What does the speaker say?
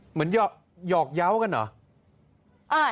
เหมือนหยอกเยาะกันเหรอ